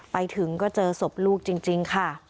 ไปถึงก็เจอศพลูกจริงค่ะ